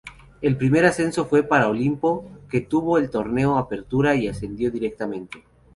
El primer ascenso fue para Olimpo, que obtuvo el Torneo Apertura y ascendió directamente.